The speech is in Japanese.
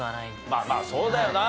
まあまあそうだよな。